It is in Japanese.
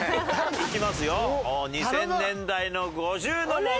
２０００年代の５０の問題。